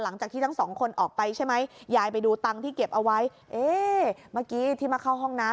มีทองรูปภัณฑ์อีก๕๐ตังค์ค่ะ